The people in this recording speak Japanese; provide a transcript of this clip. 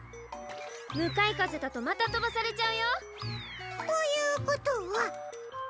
むかいかぜだとまたとばされちゃうよ！ということは。